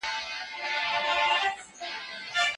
موږ ته په کار ده چي د مځکي پالنه وکړو.